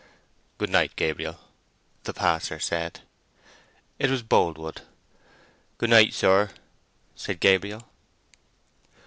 "Good night, Gabriel," the passer said. It was Boldwood. "Good night, sir," said Gabriel.